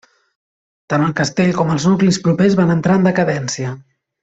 Tant el castell com els nuclis propers van entrar en decadència.